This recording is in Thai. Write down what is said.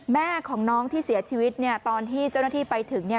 แม่ของน้องที่เสียชีวิตเนี่ยตอนที่เจ้าหน้าที่ไปถึงเนี่ย